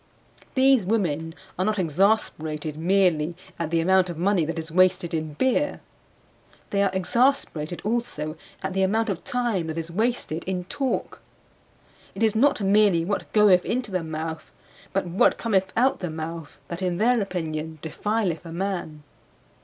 These women are not exasperated merely at the amount of money that is wasted in beer; they are exasperated also at the amount of time that is wasted in talk. It is not merely what goeth into the mouth but what cometh out the mouth that, in their opinion, defileth a man.